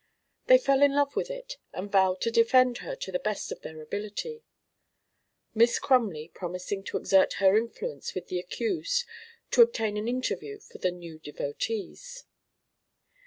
They fell in love with it and vowed to defend her to the best of their ability, Miss Crumley promising to exert her influence with the accused to obtain an interview for the new devotees.